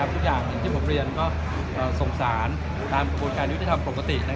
ทุกอย่างที่ผมเรียนก็สงสารตามประกวัติการยุทธภัณฑ์ปกติ